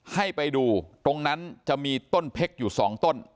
ให้ไปดูตรงนั้นจะมีต้นเพชรอยู่๒ต้น